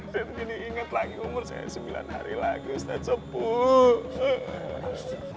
saya jadi inget lagi umur saya sembilan hari lagi ustadz sepul